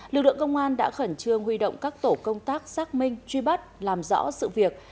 lực lượng công an đã khẩn trương huy động các tổ công tác xác minh truy bắt làm rõ sự việc